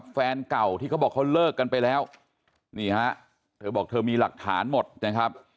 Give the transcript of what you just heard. แฟนเก่าที่เขาบอกเขาเลิกกันไปแล้วนี่ฮะเธอบอกเธอมีหลักฐานหมดนะครับ